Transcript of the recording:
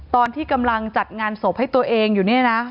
ตอนที่กำลังจัดงานศพให้ตัวเองอยู่เนี่ยนะ